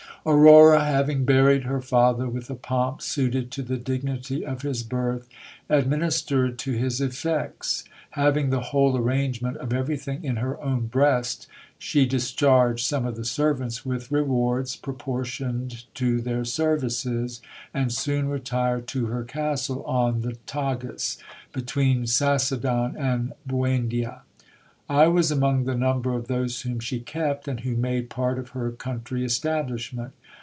j Aurora having buried her father with a pomp suited to the dignity of his birth, administered to his effects. Having the whole arrangement of everything in her own breast, she discharged some of the servants with rewards proportioned to their services, and soon retired to her castle on the Tagus, between Sacedon and Buendia. I was among the number of those whom she kept, and who made part of her country establishment.